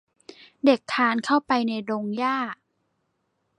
เด็กคลานเข้าไปในดงหญ้า